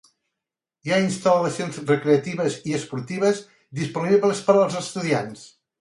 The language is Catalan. Hi ha instal·lacions recreatives i esportives disponibles per als estudiants.